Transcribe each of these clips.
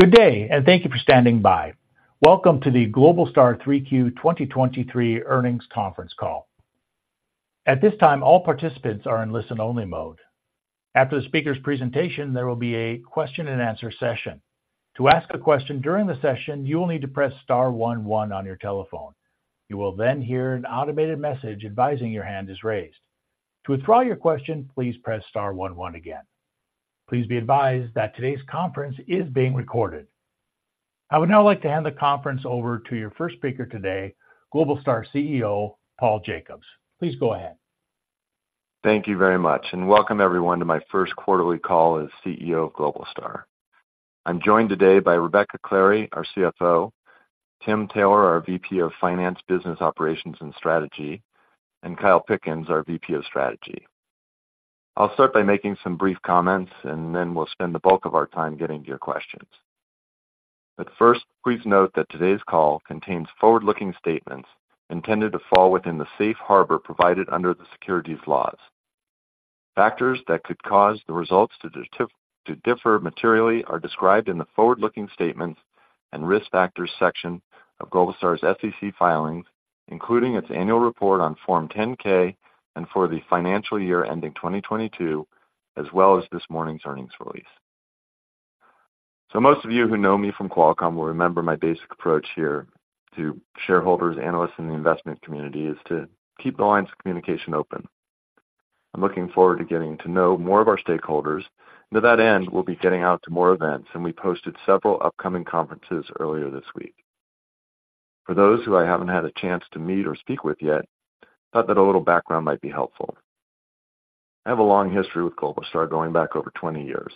Good day, and thank you for standing by. Welcome to the Globalstar 3Q 2023 Earnings Conference Call. At this time, all participants are in listen-only mode. After the speaker's presentation, there will be a question-and-answer session. To ask a question during the session, you will need to press star one, one on your telephone. You will then hear an automated message advising your hand is raised. To withdraw your question, please press star one, one again. Please be advised that today's conference is being recorded. I would now like to hand the conference over to your first speaker today, Globalstar CEO, Paul Jacobs. Please go ahead. Thank you very much, and welcome everyone to my first quarterly call as CEO of Globalstar. I'm joined today by Rebecca Clary, our CFO, Tim Taylor, our VP of Finance, Business Operations, and Strategy, and Kyle Pickens, our VP of Strategy. I'll start by making some brief comments, and then we'll spend the bulk of our time getting to your questions. But first, please note that today's call contains forward-looking statements intended to fall within the safe harbor provided under the securities laws. Factors that could cause the results to differ materially are described in the forward-looking statements and risk factors section of Globalstar's SEC filings, including its annual report on Form 10-K and for the financial year ending 2022, as well as this morning's earnings release. So most of you who know me from Qualcomm will remember my basic approach here to shareholders, analysts, and the investment community is to keep the lines of communication open. I'm looking forward to getting to know more of our stakeholders. To that end, we'll be getting out to more events, and we posted several upcoming conferences earlier this week. For those who I haven't had a chance to meet or speak with yet, I thought that a little background might be helpful. I have a long history with Globalstar, going back over 20 years,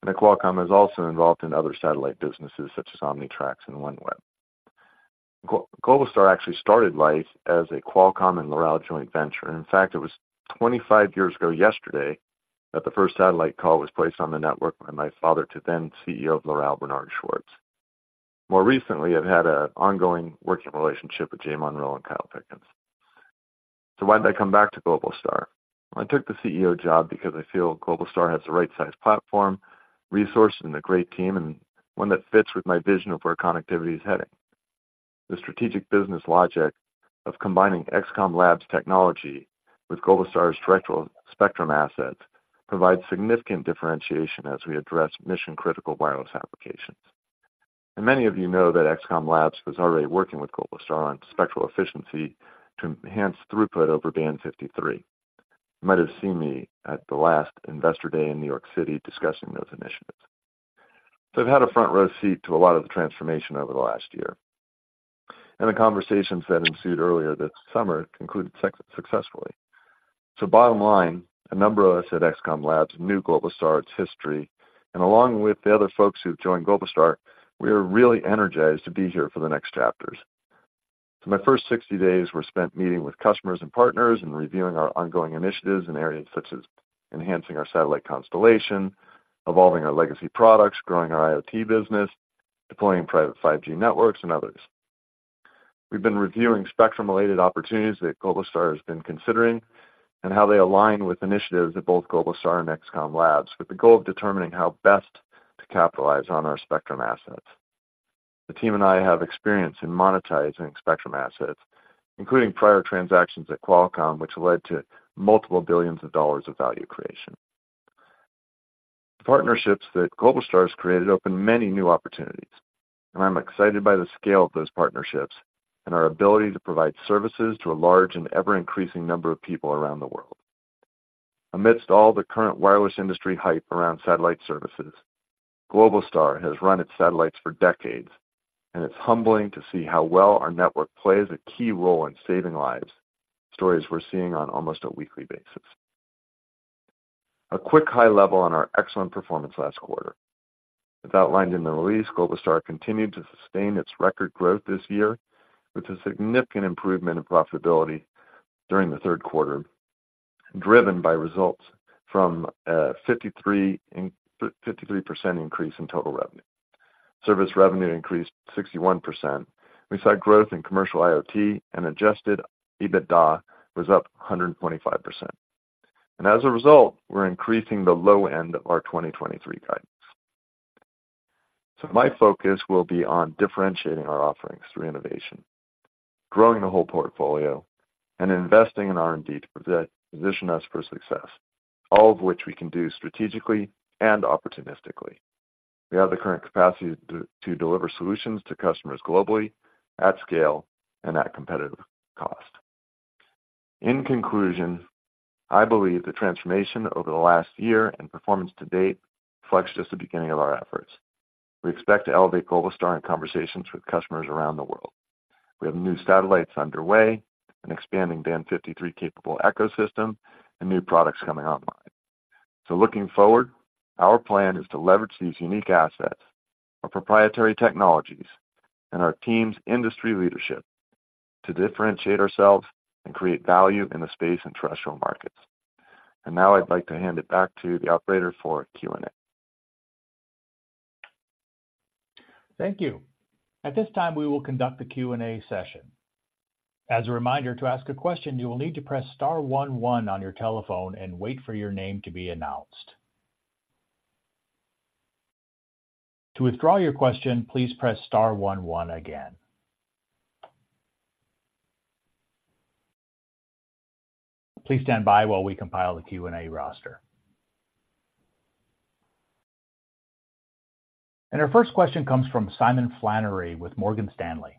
and at Qualcomm is also involved in other satellite businesses such as OmniTRAX and OneWeb. Globalstar actually started life as a Qualcomm and Loral joint venture. In fact, it was 25 years ago yesterday that the first satellite call was placed on the network by my father to then CEO of Loral, Bernard Schwartz. More recently, I've had an ongoing working relationship with Jay Monroe and Kyle Pickens. So why did I come back to Globalstar? I took the CEO job because I feel Globalstar has the right size platform, resources, and a great team, and one that fits with my vision of where connectivity is heading. The strategic business logic of combining XCOM Labs technology with Globalstar's directional spectrum assets provides significant differentiation as we address mission-critical wireless applications. And many of you know that XCOM Labs was already working with Globalstar on spectral efficiency to enhance throughput over Band 53. You might have seen me at the last Investor Day in New York City discussing those initiatives. So I've had a front-row seat to a lot of the transformation over the last year, and the conversations that ensued earlier this summer concluded successfully. So bottom line, a number of us at XCOM Labs knew Globalstar, its history, and along with the other folks who've joined Globalstar, we are really energized to be here for the next chapters. So my first 60 days were spent meeting with customers and partners and reviewing our ongoing initiatives in areas such as enhancing our satellite constellation, evolving our legacy products, growing our IoT business, deploying private 5G networks, and others. We've been reviewing spectrum-related opportunities that Globalstar has been considering and how they align with initiatives at both Globalstar and XCOM Labs, with the goal of determining how best to capitalize on our spectrum assets. The team and I have experience in monetizing spectrum assets, including prior transactions at Qualcomm, which led to multiple billions of dollars of value creation. Partnerships that Globalstar has created open many new opportunities, and I'm excited by the scale of those partnerships and our ability to provide services to a large and ever-increasing number of people around the world. Amidst all the current wireless industry hype around satellite services, Globalstar has run its satellites for decades, and it's humbling to see how well our network plays a key role in saving lives, stories we're seeing on almost a weekly basis. A quick high level on our excellent performance last quarter. As outlined in the release, Globalstar continued to sustain its record growth this year, with a significant improvement in profitability during the third quarter, driven by results from a 53% increase in total revenue. Service revenue increased 61%. We saw growth in commercial IoT and adjusted EBITDA was up 125%. And as a result, we're increasing the low end of our 2023 guidance. So my focus will be on differentiating our offerings through innovation, growing the whole portfolio, and investing in R&D to position us for success, all of which we can do strategically and opportunistically. We have the current capacity to deliver solutions to customers globally, at scale and at competitive cost. In conclusion, I believe the transformation over the last year and performance to date reflects just the beginning of our efforts. We expect to elevate Globalstar in conversations with customers around the world. We have new satellites underway, an expanding Band 53 capable ecosystem, and new products coming online. So looking forward, our plan is to leverage these unique assets, our proprietary technologies, and our team's industry leadership to differentiate ourselves and create value in the space and terrestrial markets. Now I'd like to hand it back to the operator for Q&A... Thank you. At this time, we will conduct the Q&A session. As a reminder, to ask a question, you will need to press star one one on your telephone and wait for your name to be announced. To withdraw your question, please press star one one again. Please stand by while we compile the Q&A roster. Our first question comes from Simon Flannery with Morgan Stanley.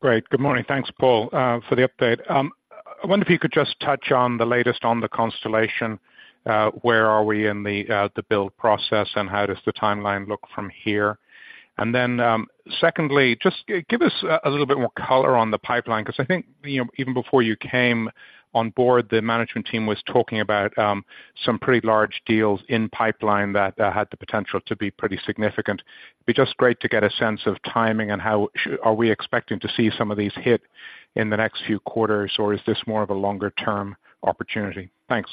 Great. Good morning. Thanks, Paul, for the update. I wonder if you could just touch on the latest on the constellation. Where are we in the build process, and how does the timeline look from here? And then, secondly, just give us a little bit more color on the pipeline, because I think, you know, even before you came on board, the management team was talking about some pretty large deals in pipeline that had the potential to be pretty significant. It'd be just great to get a sense of timing and how are we expecting to see some of these hit in the next few quarters, or is this more of a longer-term opportunity? Thanks.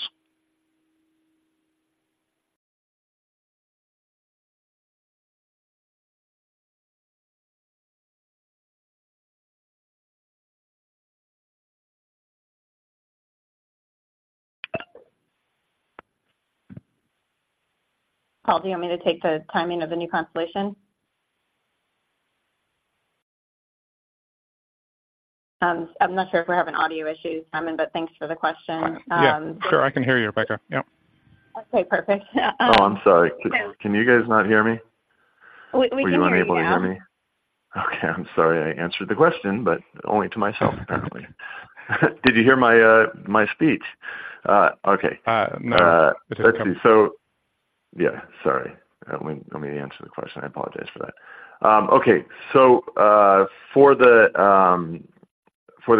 Paul, do you want me to take the timing of the new constellation? I'm not sure if we're having audio issues, Simon, but thanks for the question. Yeah, sure. I can hear you, Rebecca. Yep. Okay, perfect. Oh, I'm sorry. Can you guys not hear me? We can hear you now. Were you unable to hear me? Okay, I'm sorry. I answered the question, but only to myself, apparently. Did you hear my speech? Okay. Uh, no. So... Yeah, sorry. Let me answer the question. I apologize for that. Okay. So, for the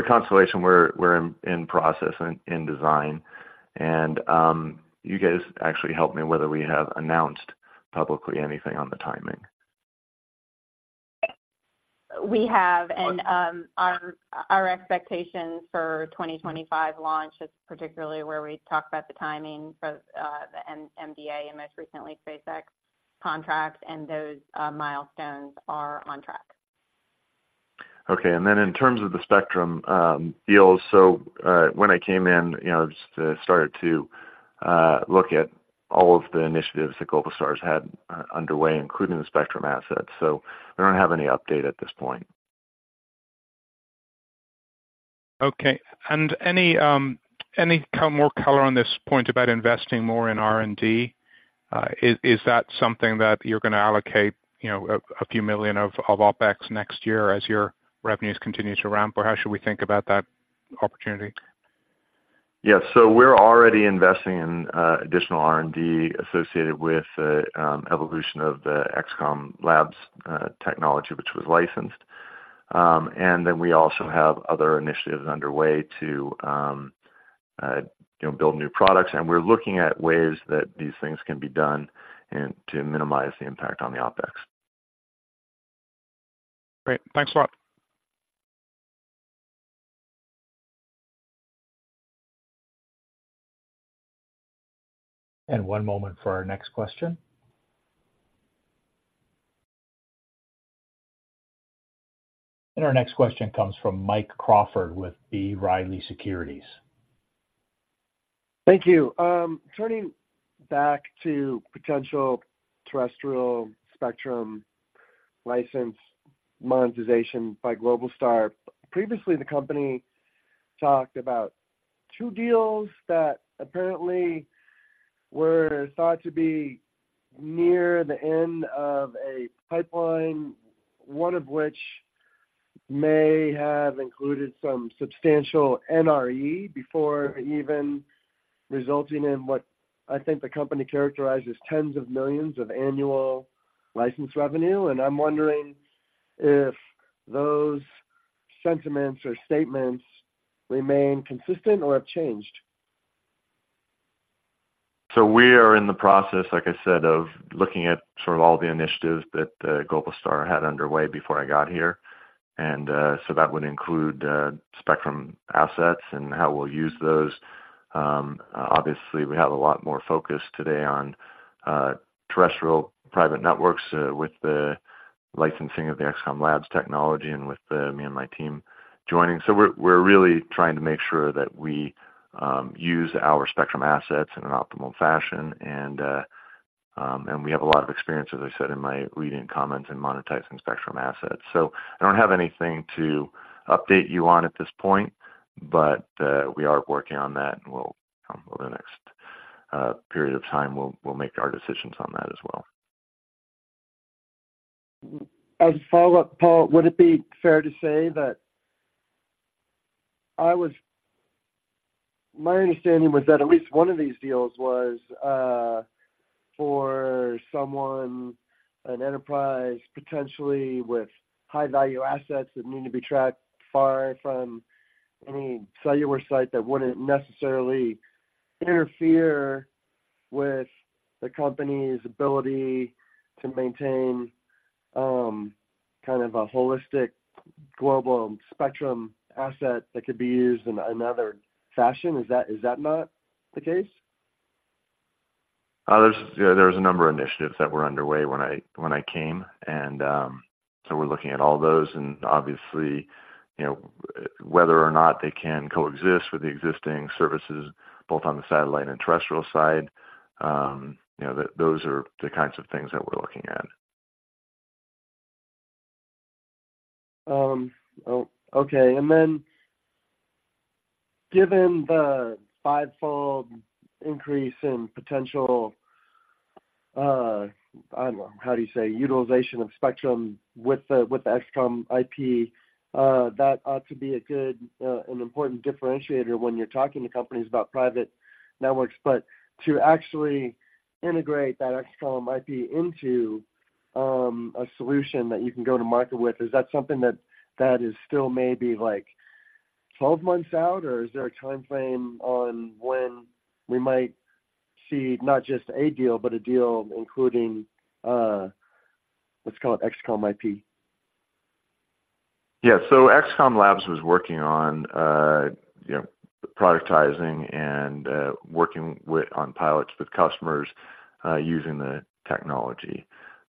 constellation, we're in process, in design, and, you guys actually help me whether we have announced publicly anything on the timing. We have. And, our expectations for 2025 launch is particularly where we talk about the timing for the MDA and most recently, SpaceX contract, and those milestones are on track. Okay. Then in terms of the spectrum deals, so when I came in, you know, just started to look at all of the initiatives that Globalstar has had underway, including the spectrum assets. So I don't have any update at this point. Okay. And any more color on this point about investing more in R&D? Is that something that you're gonna allocate, you know, a few million of OpEx next year as your revenues continue to ramp, or how should we think about that opportunity? Yes. So we're already investing in additional R&D associated with the evolution of the XCOM Labs technology, which was licensed. And then we also have other initiatives underway to you know, build new products, and we're looking at ways that these things can be done and to minimize the impact on the OpEx. Great. Thanks a lot. One moment for our next question. Our next question comes from Mike Crawford with B. Riley Securities. Thank you. Turning back to potential terrestrial spectrum license monetization by Globalstar. Previously, the company talked about two deals that apparently were thought to be near the end of a pipeline, one of which may have included some substantial NRE before even resulting in what I think the company characterized as $10s of millions annual license revenue. I'm wondering if those sentiments or statements remain consistent or have changed? So we are in the process, like I said, of looking at sort of all the initiatives that Globalstar had underway before I got here. And so that would include spectrum assets and how we'll use those. Obviously, we have a lot more focus today on terrestrial private networks with the licensing of the XCOM Labs technology and with me and my team joining. So we're really trying to make sure that we use our spectrum assets in an optimal fashion. And we have a lot of experience, as I said in my leading comments, in monetizing spectrum assets. So I don't have anything to update you on at this point, but we are working on that, and we'll over the next period of time, we'll make our decisions on that as well. As a follow-up, Paul, would it be fair to say that my understanding was that at least one of these deals was for someone, an enterprise, potentially with high-value assets that need to be tracked far from any cellular site that wouldn't necessarily interfere with the company's ability to maintain kind of a holistic global spectrum asset that could be used in another fashion? Is that, is that not the case?... There's, yeah, there was a number of initiatives that were underway when I came, and so we're looking at all those, and obviously, you know, whether or not they can coexist with the existing services, both on the satellite and terrestrial side, you know, those are the kinds of things that we're looking at. Oh, okay. Then, given the fivefold increase in potential utilization of spectrum with the XCOM IP, that ought to be a good, an important differentiator when you're talking to companies about private networks. But to actually integrate that XCOM IP into a solution that you can go to market with, is that something that is still maybe, like, 12 months out, or is there a timeframe on when we might see not just a deal, but a deal including, let's call it XCOM IP? Yeah. So XCOM Labs was working on, you know, productizing and, working with, on pilots with customers, using the technology.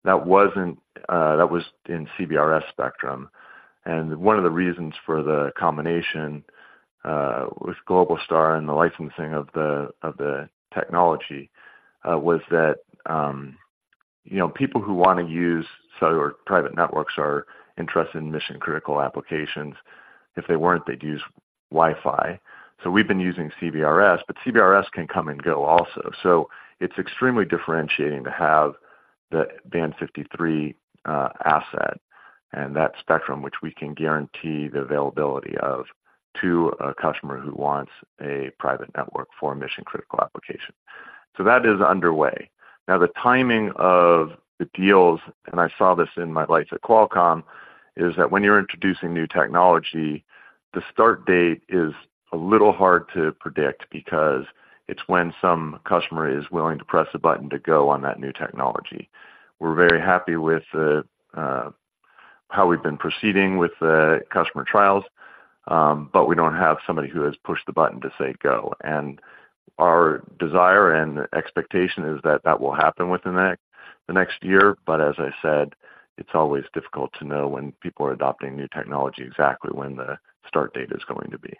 That wasn't... That was in CBRS spectrum. And one of the reasons for the combination, with Globalstar and the licensing of the, of the technology, was that, you know, people who want to use cellular private networks are interested in mission-critical applications. If they weren't, they'd use Wi-Fi. So we've been using CBRS, but CBRS can come and go also. So it's extremely differentiating to have the Band 53, asset and that spectrum, which we can guarantee the availability of, to a customer who wants a private network for a mission-critical application. So that is underway. Now, the timing of the deals, and I saw this in my life at Qualcomm, is that when you're introducing new technology, the start date is a little hard to predict because it's when some customer is willing to press a button to go on that new technology. We're very happy with how we've been proceeding with the customer trials, but we don't have somebody who has pushed the button to say, go. And our desire and expectation is that that will happen within the next year. But as I said, it's always difficult to know when people are adopting new technology, exactly when the start date is going to be.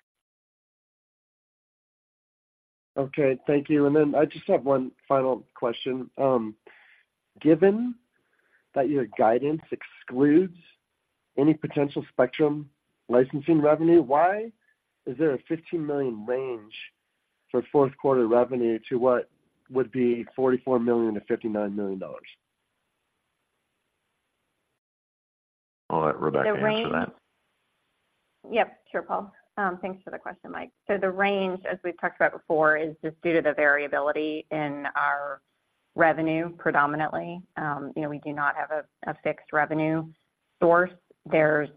Okay, thank you. And then I just have one final question. Given that your guidance excludes any potential spectrum licensing revenue, why is there a $15 million range for fourth quarter revenue to what would be $44 million-$59 million? I'll let Rebecca answer that. Yep, sure, Paul. Thanks for the question, Mike. So the range, as we've talked about before, is just due to the variability in our revenue, predominantly. You know, we do not have a fixed revenue source. There's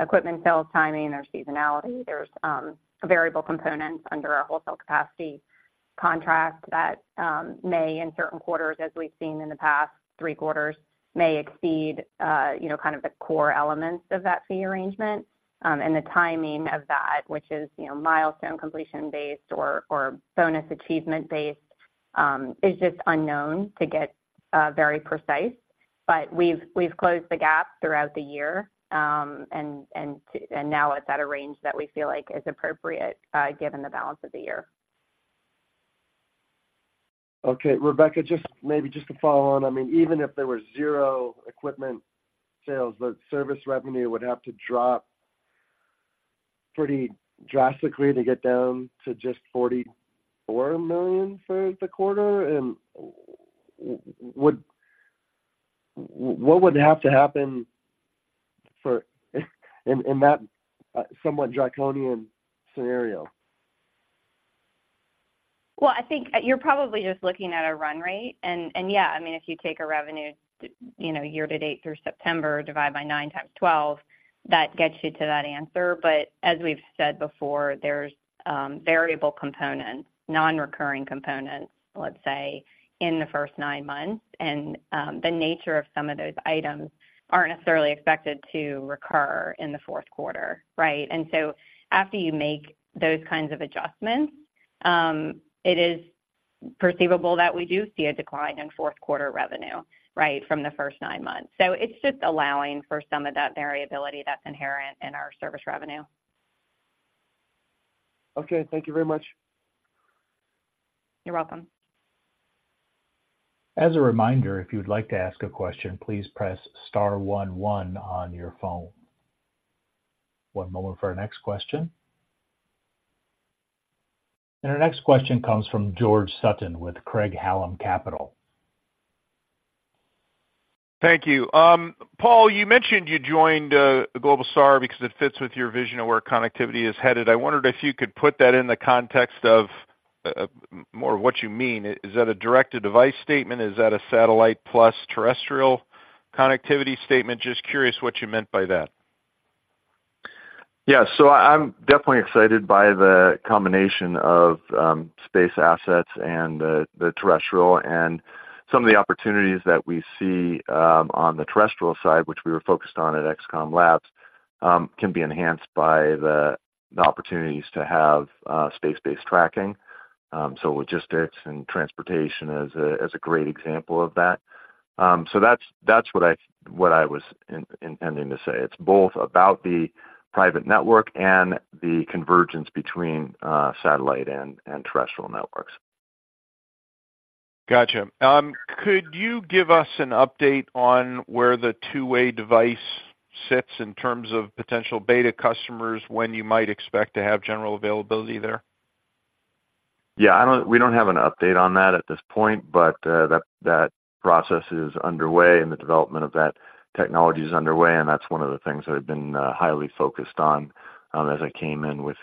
equipment sales timing, there's seasonality, there's variable components under our wholesale capacity contract that may, in certain quarters, as we've seen in the past three quarters, may exceed, you know, kind of the core elements of that fee arrangement. And the timing of that, which is, you know, milestone completion-based or bonus achievement-based, is just unknown to get very precise. But we've closed the gap throughout the year, and now it's at a range that we feel like is appropriate, given the balance of the year. Okay, Rebecca, just maybe to follow on, I mean, even if there were zero equipment sales, the service revenue would have to drop pretty drastically to get down to just $44 million for the quarter? And what would have to happen in that somewhat draconian scenario? Well, I think you're probably just looking at a run rate. Yeah, I mean, if you take a revenue, you know, year-to-date through September, divide by nine times 12, that gets you to that answer. But as we've said before, there's variable components, non-recurring components, let's say, in the first nine months, and the nature of some of those items aren't necessarily expected to recur in the fourth quarter, right? And so after you make those kinds of adjustments, it is perceivable that we do see a decline in fourth quarter revenue, right from the first nine months. So it's just allowing for some of that variability that's inherent in our service revenue. Okay. Thank you very much. You're welcome. As a reminder, if you would like to ask a question, please press star one one on your phone. One moment for our next question. Our next question comes from George Sutton with Craig-Hallum Capital. Thank you. Paul, you mentioned you joined Globalstar because it fits with your vision of where connectivity is headed. I wondered if you could put that in the context of more of what you mean. Is that a direct-to-device statement? Is that a satellite plus terrestrial connectivity statement? Just curious what you meant by that. Yeah. So I'm definitely excited by the combination of space assets and the terrestrial. And some of the opportunities that we see on the terrestrial side, which we were focused on at XCOM Labs, can be enhanced by the opportunities to have space-based tracking. So logistics and transportation is a great example of that. So that's what I was intending to say. It's both about the private network and the convergence between satellite and terrestrial networks. Gotcha. Could you give us an update on where the two-way device sits in terms of potential beta customers, when you might expect to have general availability there? Yeah, we don't have an update on that at this point, but that process is underway and the development of that technology is underway, and that's one of the things that I've been highly focused on as I came in with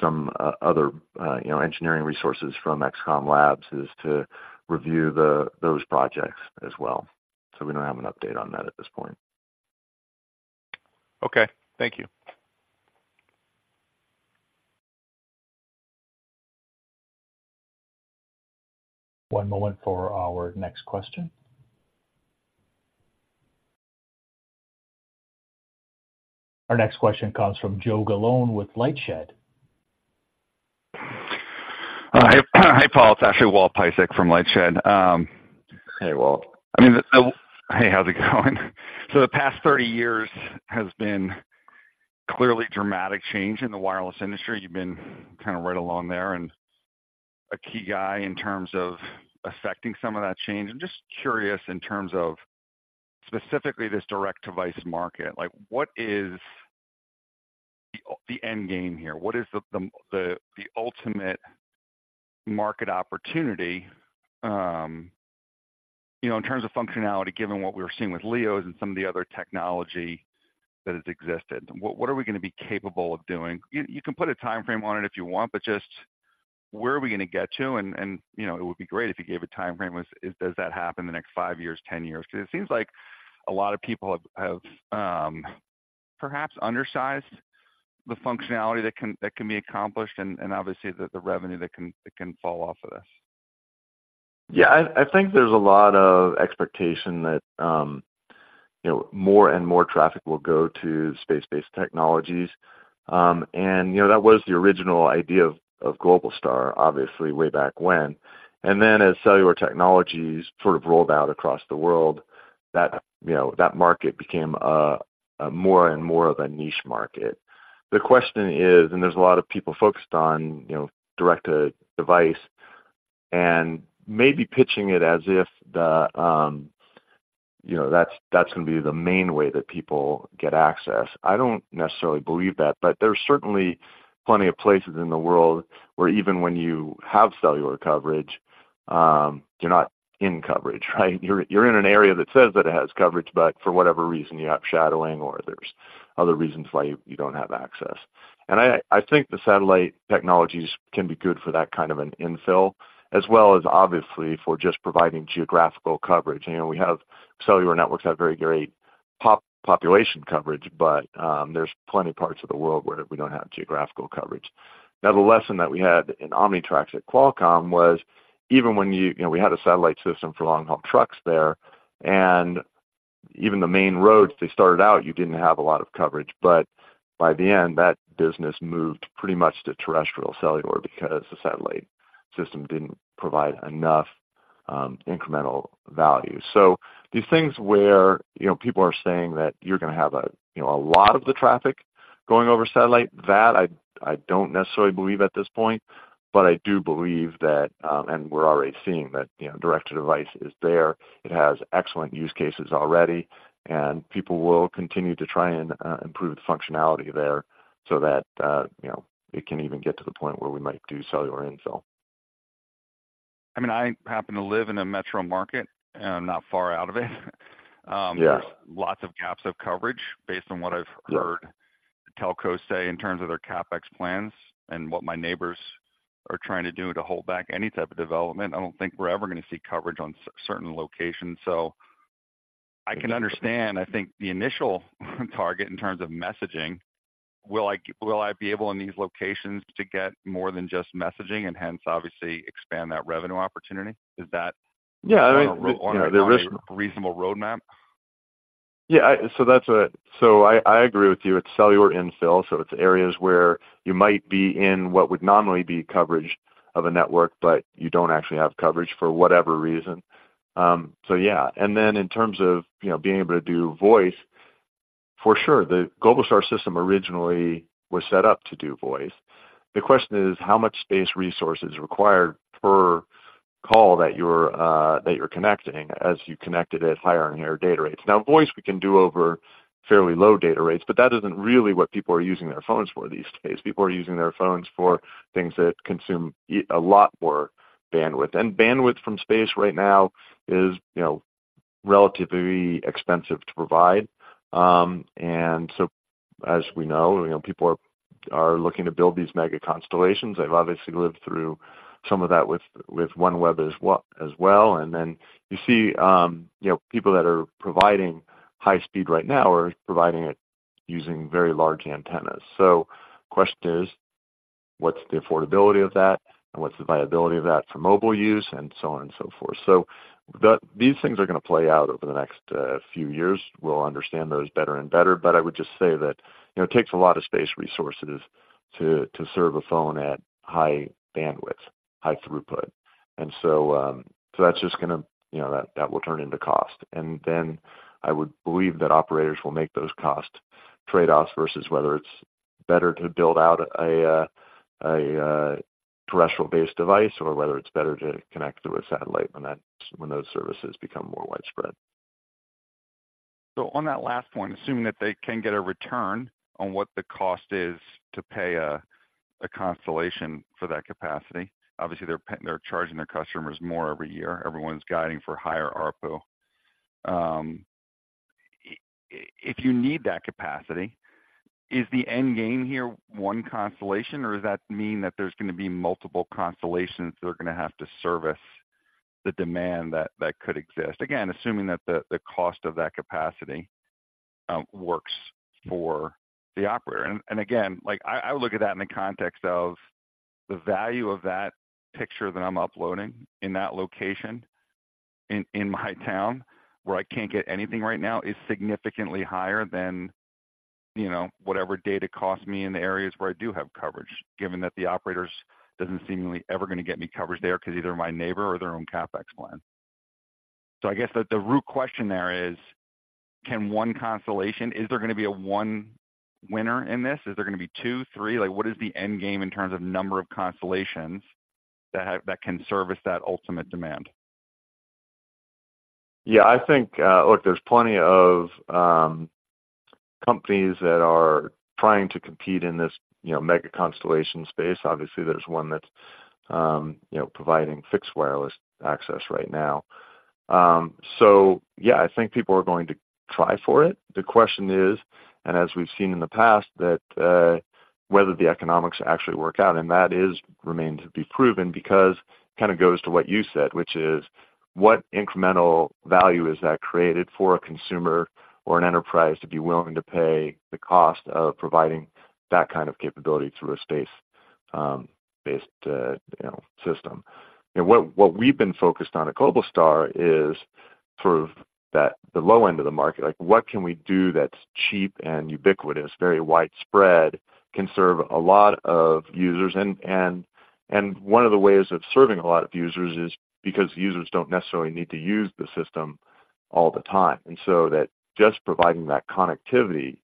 some other you know engineering resources from XCOM Labs, is to review those projects as well. So we don't have an update on that at this point. Okay, thank you. One moment for our next question. Our next question comes from Joe Galone with Lightshed. Hi, Paul. It's actually Walt Piecyk from Lightshed. Hey, Walt. I mean- Hey, how's it going? So the past 30 years has been clearly dramatic change in the wireless industry. You've been kind of right along there and a key guy in terms of affecting some of that change. I'm just curious, in terms of specifically this direct-to-device market, like, what is the, the end game here? What is the, the, the, the ultimate market opportunity, you know, in terms of functionality, given what we were seeing with LEOs and some of the other technology that has existed? What, what are we gonna be capable of doing? You, you can put a time frame on it if you want, but just where are we gonna get to? And, and, you know, it would be great if you gave a time frame. Does that happen in the next 5 years, 10 years? Because it seems like a lot of people have perhaps undersized the functionality that can be accomplished and obviously the revenue that can fall off of this. Yeah, I think there's a lot of expectation that, you know, more and more traffic will go to space-based technologies. And, you know, that was the original idea of Globalstar, obviously, way back when. And then as cellular technologies sort of rolled out across the world, that, you know, that market became more and more of a niche market. The question is, and there's a lot of people focused on, you know, direct-to-device and maybe pitching it as if the, you know, that's gonna be the main way that people get access. I don't necessarily believe that, but there are certainly plenty of places in the world where even when you have cellular coverage, you're not in coverage, right? You're in an area that says that it has coverage, but for whatever reason, you have shadowing or there's other reasons why you don't have access. And I think the satellite technologies can be good for that kind of an infill as well as obviously for just providing geographical coverage. You know, cellular networks have very great population coverage, but there's plenty of parts of the world where we don't have geographical coverage. Now, the lesson that we had in OmniTRACS at Qualcomm was even when you... You know, we had a satellite system for long-haul trucks there, and even the main roads, they started out, you didn't have a lot of coverage, but by the end, that business moved pretty much to terrestrial cellular because the satellite system didn't provide enough incremental value. So these things where, you know, people are saying that you're gonna have a, you know, a lot of the traffic going over satellite, that I, I don't necessarily believe at this point. But I do believe that, and we're already seeing that, you know, Direct-to-device is there. It has excellent use cases already, and people will continue to try and improve the functionality there so that, you know, it can even get to the point where we might do cellular infill. I mean, I happen to live in a metro market, and I'm not far out of it. Yeah. Lots of gaps of coverage based on what I've heard- Yeah Telcos say in terms of their CapEx plans and what my neighbors are trying to do to hold back any type of development. I don't think we're ever gonna see coverage on certain locations. So I can understand, I think, the initial target in terms of messaging. Will I, will I be able, in these locations, to get more than just messaging and hence, obviously expand that revenue opportunity? Is that- Yeah, I mean, you know, there is- A reasonable roadmap? Yeah, so I agree with you. It's cellular infill, so it's areas where you might be in what would normally be coverage of a network, but you don't actually have coverage for whatever reason. So yeah. And then in terms of, you know, being able to do voice, for sure, the Globalstar system originally was set up to do voice. The question is: How much space resource is required per call that you're connecting as you connect it at higher and higher data rates? Now, voice, we can do over fairly low data rates, but that isn't really what people are using their phones for these days. People are using their phones for things that consume a lot more bandwidth. And bandwidth from space right now is, you know, relatively expensive to provide. As we know, you know, people are looking to build these mega constellations. They've obviously lived through some of that with OneWeb as well. And then you see, you know, people that are providing high speed right now are providing it using very large antennas. So the question is, what's the affordability of that, and what's the viability of that for mobile use, and so on and so forth. So these things are gonna play out over the next few years. We'll understand those better and better, but I would just say that, you know, it takes a lot of space resources to serve a phone at high bandwidth, high throughput. And so that's just gonna, you know, that will turn into cost. I would believe that operators will make those cost trade-offs versus whether it's better to build out a terrestrial-based device or whether it's better to connect through a satellite when those services become more widespread. So on that last one, assuming that they can get a return on what the cost is to pay a constellation for that capacity, obviously, they're charging their customers more every year. Everyone's guiding for higher ARPU. If you need that capacity, is the end game here one constellation, or does that mean that there's gonna be multiple constellations that are gonna have to service the demand that could exist? Again, assuming that the cost of that capacity works for the operator. And again, like I would look at that in the context of the value of that picture that I'm uploading in that location, in my town, where I can't get anything right now, is significantly higher than, you know, whatever data costs me in the areas where I do have coverage, given that the operators doesn't seemingly ever gonna get me coverage there, 'cause either my neighbor or their own CapEx plan. So I guess the root question there is: Can one constellation... Is there gonna be a one winner in this? Is there gonna be two, three? Like, what is the end game in terms of number of constellations that have that can service that ultimate demand? Yeah, I think... Look, there's plenty of companies that are trying to compete in this, you know, mega constellation space. Obviously, there's one that's, you know, providing fixed wireless access right now. So yeah, I think people are going to try for it. The question is, and as we've seen in the past, that whether the economics actually work out, and that is remains to be proven because it kind of goes to what you said, which is: What incremental value is that created for a consumer or an enterprise to be willing to pay the cost of providing that kind of capability through a space based, you know, system? You know, what, what we've been focused on at Globalstar is sort of that, the low end of the market. Like, what can we do that's cheap and ubiquitous, very widespread, can serve a lot of users? And one of the ways of serving a lot of users is because users don't necessarily need to use the system all the time. And so that just providing that connectivity,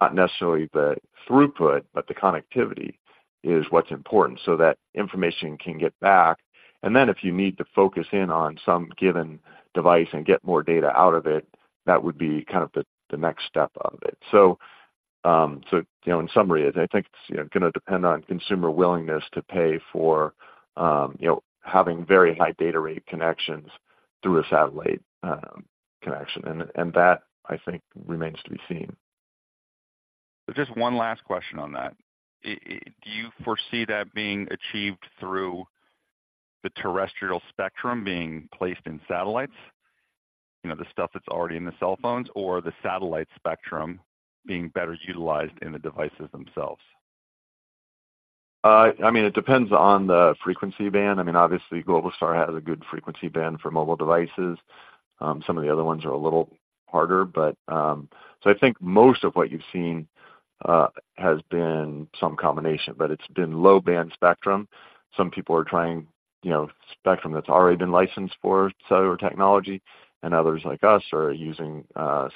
not necessarily the throughput, but the connectivity, is what's important, so that information can get back. And then if you need to focus in on some given device and get more data out of it, that would be kind of the next step of it. So, you know, in summary, I think it's, you know, gonna depend on consumer willingness to pay for, you know, having very high data rate connections through a satellite connection, and that, I think, remains to be seen. Just one last question on that. Do you foresee that being achieved through the terrestrial spectrum being placed in satellites, you know, the stuff that's already in the cell phones, or the satellite spectrum being better utilized in the devices themselves? I mean, it depends on the frequency band. I mean, obviously, Globalstar has a good frequency band for mobile devices. Some of the other ones are a little harder, but... So I think most of what you've seen has been some combination, but it's been low-band spectrum. Some people are trying, you know, spectrum that's already been licensed for cellular technology, and others, like us, are using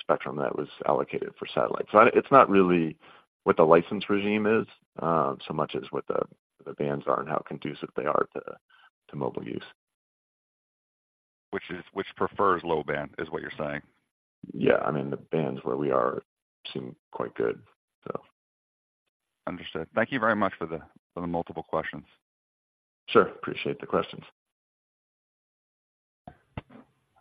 spectrum that was allocated for satellites. So I, it's not really what the license regime is, so much as what the bands are and how conducive they are to mobile use. Which is, which prefers low band, is what you're saying? Yeah. I mean, the bands where we are seem quite good, so. Understood. Thank you very much for the multiple questions. Sure. Appreciate the questions.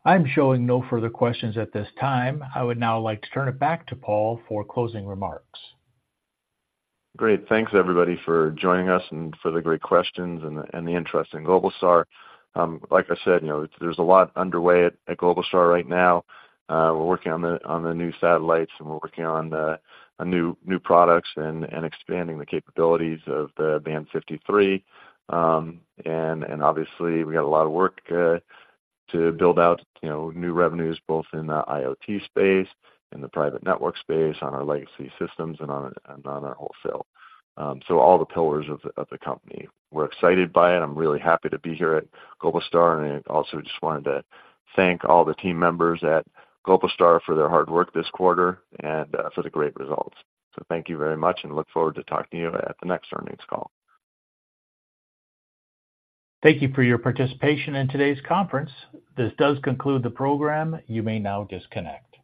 I'm showing no further questions at this time. I would now like to turn it back to Paul for closing remarks. Great. Thanks, everybody, for joining us and for the great questions and the interest in Globalstar. Like I said, you know, there's a lot underway at Globalstar right now. We're working on the new satellites, and we're working on new products and expanding the capabilities of Band 53. Obviously, we got a lot of work to build out, you know, new revenues, both in the IoT space, in the private network space, on our legacy systems, and on our wholesale. So all the pillars of the company. We're excited by it. I'm really happy to be here at Globalstar, and I also just wanted to thank all the team members at Globalstar for their hard work this quarter and for the great results. Thank you very much, and look forward to talking to you at the next earnings call. Thank you for your participation in today's conference. This does conclude the program. You may now disconnect.